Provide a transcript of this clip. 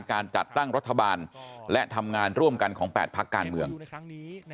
การจัดตั้งรัฐบาลและทำงานร่วมกันของ๘พักการเมืองในครั้งนี้